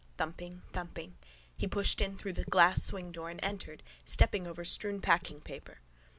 Thumping. Thumping. He pushed in the glass swingdoor and entered, stepping over strewn packing paper.